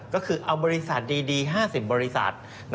ก็คือเอาบริษัทดี๕๐บริษัท